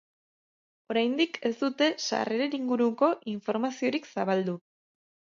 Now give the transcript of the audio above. Oraindik ez dute sarreren inguruko informaziorik zabaldu.